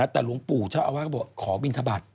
แต่หลวงปู่เจ้าอาวาสก็บอกขอบินทบาท